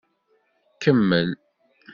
Kemmel.